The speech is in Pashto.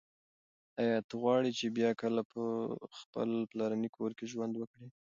ایا ته غواړي چې بیا کله په خپل پلرني کور کې ژوند وکړې؟